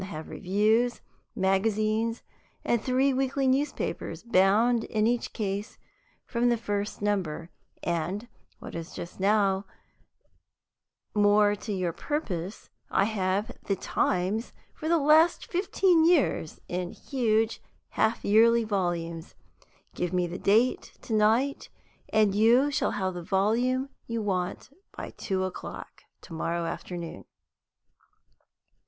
I have reviews, magazines, and three weekly newspapers, bound, in each case, from the first number; and, what is just now more to your purpose, I have the Times for the last fifteen years in huge half yearly volumes. Give me the date to night, and you shall have the volume you want by two o'clock to morrow afternoon."